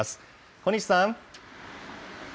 小西さん。